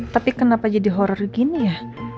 tapi kenapa jadi horror gini ya